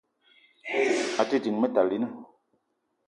A te ding Metalina